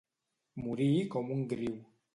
Morir com un griu.